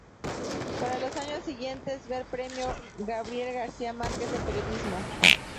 Para los años siguientes ver Premio Gabriel García Márquez de Periodismo.